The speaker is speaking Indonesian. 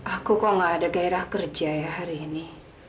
aku kok gak ada gairah kerja ya hari ini